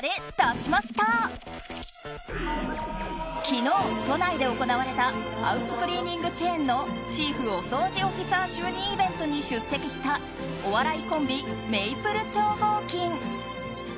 昨日、都内で行われたハウスクリーニングチェーンのチーフおそうじオフィサー就任イベントに出席したお笑いコンビ、メイプル超合金。